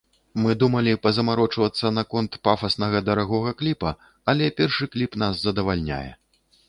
Мы думалі пазамарочвацца наконт пафаснага дарагога кліпа, але першы кліп нас задавальняе.